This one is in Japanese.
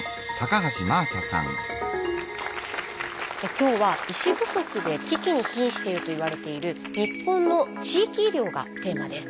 今日は医師不足で危機にひんしているといわれている日本の地域医療がテーマです。